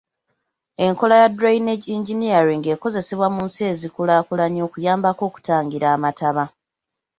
Enkola ya drainage engineering ekozesebwa mu nsi ezikulaakulanye okuyambako okutangira amataba.